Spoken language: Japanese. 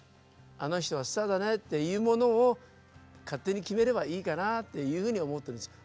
あの人はスターだねっていうものを勝手に決めればいいかなっていうふうに思ってるんですよ。